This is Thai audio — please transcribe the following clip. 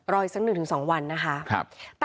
อีกสัก๑๒วันนะคะ